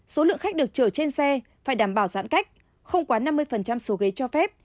số lượng khách được chở trên xe phải đảm bảo giãn cách không quá năm mươi số ghế cho phép